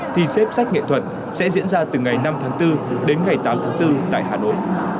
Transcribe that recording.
thì xếp sách nghệ thuật sẽ diễn ra từ ngày năm tháng bốn đến ngày tám tháng bốn tại hà nội